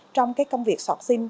trong cái công việc sọt sim